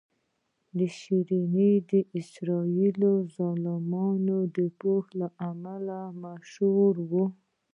شیرین د اسرائیلو د ظلمونو د پوښښ له امله مشهوره وه.